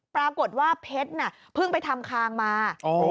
ปรากฏว่าเพชรน่ะเพิ่งไปทำคางมา